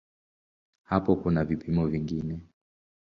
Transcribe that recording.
Hapo kuna vipimo vingine.